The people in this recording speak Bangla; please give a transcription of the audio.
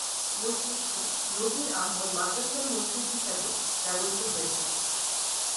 মসজিদটি নজির আহমদ মাদ্রাসার মসজিদ হিসাবে ব্যবহৃত হয়ে থাকে।